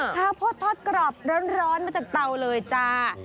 ข้าวโพดทอดกรอบร้อนมาจากเตาเลยจ้า